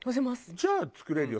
じゃあ作れるよ。